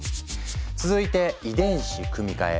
続いて遺伝子組み換え。